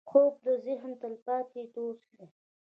خوب د ذهن تلپاتې دوست دی